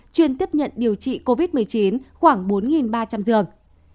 chuyên tiếp nhận điều trị covid một mươi chín khoảng bốn ba trăm linh giường